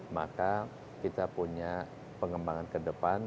maka kita punya pengembangan ke depan